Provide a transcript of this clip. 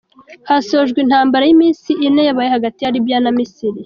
Hasojwe intambara y’iminsi ine, yabaye hagati ya Libiya na Misiri.